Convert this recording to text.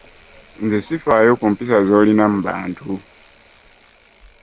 Nze sifaayo ku mpisa z'olina mu bantu.